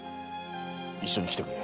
一緒に来てくれ。